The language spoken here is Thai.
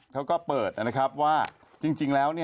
เขาก็เปิดว่าจริงแล้ว